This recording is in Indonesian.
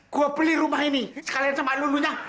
gue beli rumah ini sekalian sama lulunya